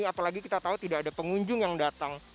apalagi kita tahu tidak ada pengunjung yang datang